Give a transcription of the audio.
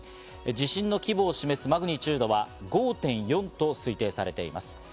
地震の規模を示すマグニチュードは５．４と推定されています。